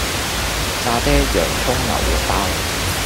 沙爹洋蔥牛肉包